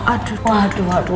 aduh pintar sekali